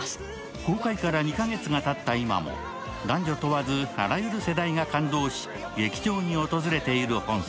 公開から２か月がたった今も男女問わずあらゆる世代が感動し、劇場に訪れている本作。